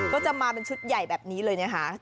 ก็จะมาเป็นชุดใหญ่แบบนี้เลยนะคะ